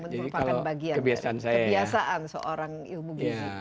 merupakan bagian dari kebiasaan seorang ilmu gizi